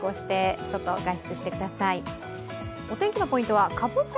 お天気のポイントはかぼちゃ